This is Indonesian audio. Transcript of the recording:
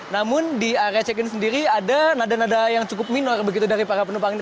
namun di area check in sendiri ada nada nada yang cukup minor begitu dari para penumpang ini